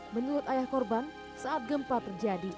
menurut ayah korban saat gempa terjadi